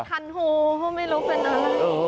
มันก็จะพันหูไม่รู้เป็นอะไร